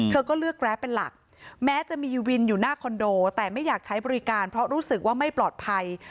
ก็เลือกแรปเป็นหลักแม้จะมีวินอยู่หน้าคอนโดแต่ไม่อยากใช้บริการเพราะรู้สึกว่าไม่ปลอดภัย